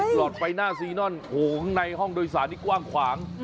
หลอดไฟหน้าซีนอนโถงในห้องโดยสารที่กว้างขวาง